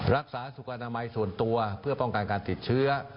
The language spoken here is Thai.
รักษาสุขอนามัยส่วนตัวเพื่อป้องกันการติดเชื้อ